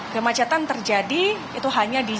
kemacetan terjadi itu hanya di